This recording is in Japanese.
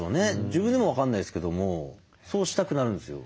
自分でも分かんないですけどもそうしたくなるんですよ。